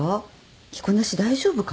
着こなし大丈夫かな？